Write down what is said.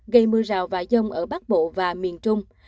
gây mưa rào và giông ở bắc bộ và miền trung